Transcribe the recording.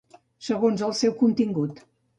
Segons el seu contingut.